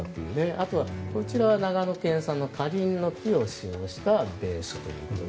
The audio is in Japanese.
あとは、長野県産のカリンの木を使用したベースで。